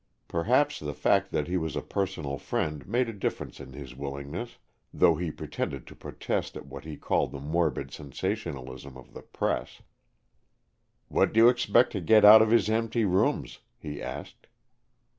Perhaps the fact that he was a personal friend made a difference in his willingness, though he pretended to protest at what he called the morbid sensationalism of the press. "What do you expect to get out of his empty rooms?" he asked.